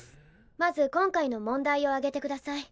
まず今回の問題を挙げてください。